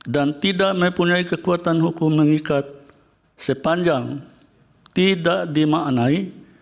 dan tidak mempunyai kekuatan hukum mengikat sepanjang tidak dimaknai